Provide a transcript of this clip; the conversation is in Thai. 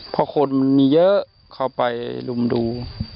เพราะคนมันมีเยอะเข้าไปรุมดู